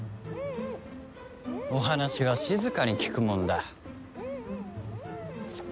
お話は静かに聞くもんだ。